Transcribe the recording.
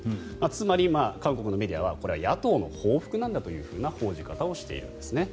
つまり、韓国のメディアはこれは野党の報復なんだという報じ方をしているんですね。